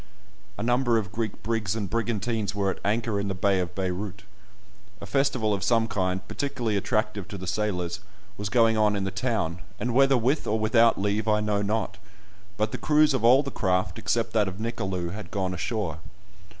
A number of Greek brigs and brigantines were at anchor in the bay of Beyrout. A festival of some kind, particularly attractive to the sailors, was going on in the town, and whether with or without leave I know not, but the crews of all the craft, except that of Nicolou, had gone ashore.